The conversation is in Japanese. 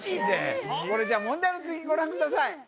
これじゃあ問題の続きご覧ください